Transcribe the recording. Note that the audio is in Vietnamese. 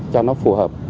cho nó phù hợp